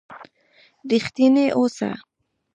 رښتينی اوسه